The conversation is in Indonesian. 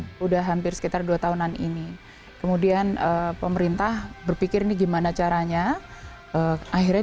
ini udah hampir sekitar dua tahunan ini kemudian pemerintah berpikir sih bagaimana caranya akhirnya